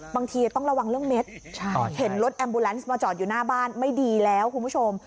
บางทีต้องระวังเรื่องเม็ดเห็นรถแอมบูแลนซ์มาจอดอยู่หน้าบ้านไม่ดีแล้วคุณผู้ชม